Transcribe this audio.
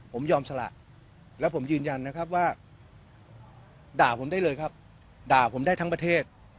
ผมยอมสละแล้วผมยืนยันนะครับว่าด่าผมได้เลยครับด่าผมได้ทั้งประเทศ